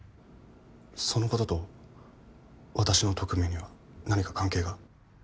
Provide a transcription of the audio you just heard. そのことと私の特命には何か関係が？